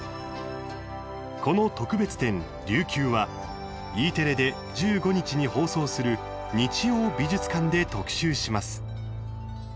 この特別展「琉球」はＥテレで１５日に放送する「日曜美術館」で特集します。